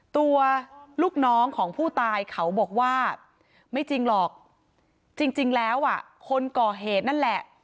ตัวลูกน้องของผู้ตายเขาบอกว่าไม่จริงหรอกจริงแล้วอ่ะคนก่อเหตุนั่นแหละ